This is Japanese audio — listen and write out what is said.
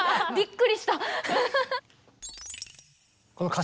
びっくりした。